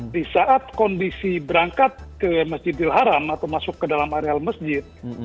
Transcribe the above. di saat kondisi berangkat ke masjidil haram atau masuk ke dalam areal masjid